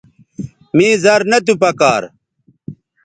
مے زر نہ تو پکار